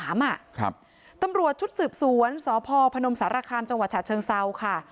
ตำรวจชุดสืบสวนสพพนมสารคามจเชิงเศร้าค่ะ